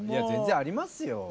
全然ありますよ。